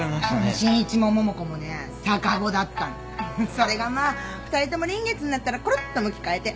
それがまあ二人とも臨月になったらコロッと向き変えて。